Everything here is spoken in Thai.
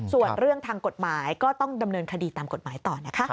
ส่วนเรื่องทางกฎหมายก็ต้องดำเนินคดีตามกฎหมายต่อนะคะ